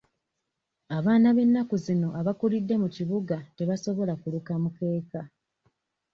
Abaana b'ennaku zino abakulidde mu kibuga tebasobola kuluka mukeeka.